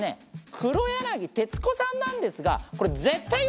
黒柳徹子さんなんですが。